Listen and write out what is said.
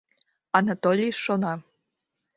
Анатолий шона.